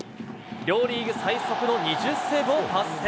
両リーグ最速の２０セーブを達成。